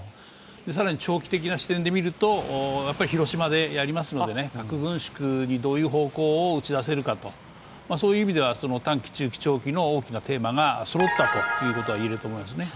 更に長期的な視点で見ますと、広島でやりますので核軍縮にどういう方向を打ち出せるかと、そういう意味では、短期、中期、長期の大きなテーマがそろったということがいえると思いますね。